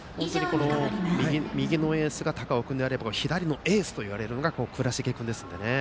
右のエースが高尾君であれば左のエースといわれるのが倉重君なので。